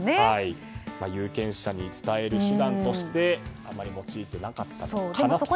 有権者に伝える手段としてあまり用いてなかったのかなと。